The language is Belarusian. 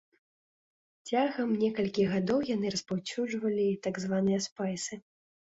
Цягам некалькіх гадоў яны распаўсюджвалі так званыя спайсы.